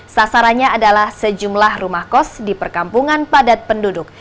sasarannya adalah sejumlah rumah kos di perkampungan padat penduduk